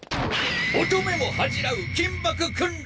乙女も恥じらう緊縛訓練！